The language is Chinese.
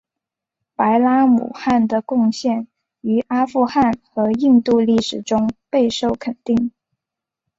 白拉姆汗的贡献于阿富汗和印度历史中备受肯定。